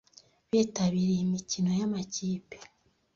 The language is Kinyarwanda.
Bitabiriye imikino yamakipe.